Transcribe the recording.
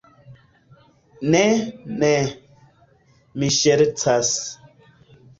Ne, ne. Mi ŝercas.